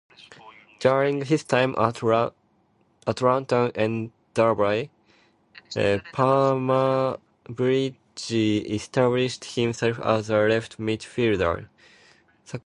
During his time at Luton and Derby, Pembridge established himself as a left midfielder.